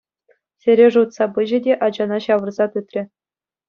Сережа утса пычӗ те ачана ҫавӑрса тытрӗ.